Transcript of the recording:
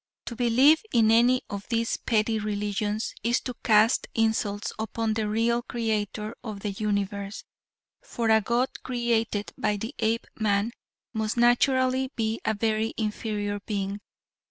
To believe in any of these petty religions is to cast insults upon the real Creator of the universe, for a god created by the Apeman must naturally be a very inferior being.